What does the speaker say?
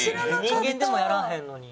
人間でもやらへんのに。